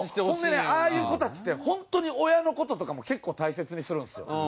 ほんでねああいう子たちってホントに親の事とかも結構大切にするんですよ。